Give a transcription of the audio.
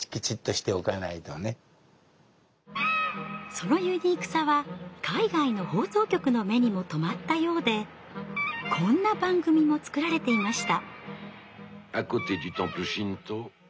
そのユニークさは海外の放送局の目にも留まったようでこんな番組も作られていました。